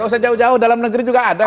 gak usah jauh jauh dalam negeri juga ada kok